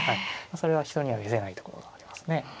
それは人には見せないところがありますね。